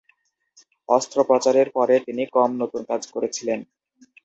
অস্ত্রোপচারের পরে তিনি কম নতুন কাজ করেছিলেন।